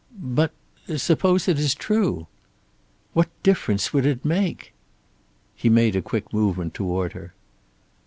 "But suppose it is true?" "What difference would it make?" He made a quick movement toward her.